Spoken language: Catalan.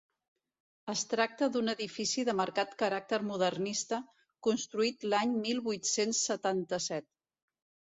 Es tracta d'un edifici de marcat caràcter modernista, construït l'any mil vuit-cents setanta-set.